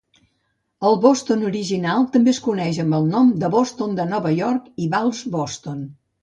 El bòston original també es coneix amb el nom de bòston de Nova York i vals bòston.